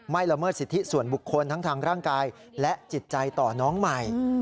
ละเมิดสิทธิส่วนบุคคลทั้งทางร่างกายและจิตใจต่อน้องใหม่